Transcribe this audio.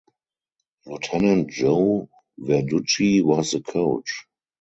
Lieutenant Joe Verducci was the coach.